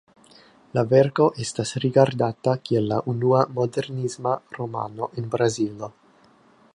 La verko estas rigardata kiel la unua "modernisma" romano en Brazilo.